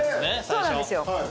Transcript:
そうなんですよ。